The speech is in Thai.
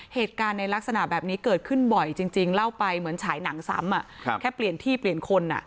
เหตุการณ์ในลักษณะแบบนี้เกิดขึ้นบ่อยจริงเล่าไปเหมือนฉายหนังซ้ำแค่เปลี่ยนที่เปลี่ยนคน